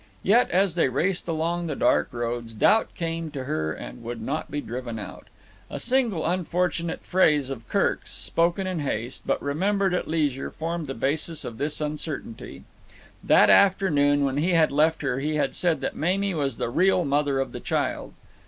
Yet, as they raced along the dark roads, doubt came to her and would not be driven out. A single unfortunate phrase of Kirk's, spoken in haste, but remembered at leisure, formed the basis of this uncertainty. That afternoon when he had left her he had said that Mamie was the real mother of the child.